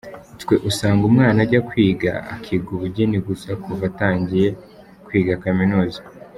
Twe usanga umwana ajya kwiga akiga ubugeni gusa kuva atangiye kwiga akaminuza.